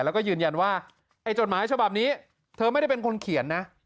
แล้วก็ยืนยันว่าไอ้จดหมายฉบับนี้เธอไม่ได้เป็นคนเขียนนะ